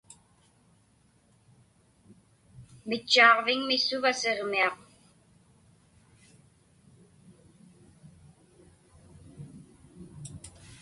Mitchaaġviŋmi suva Siġmiaq?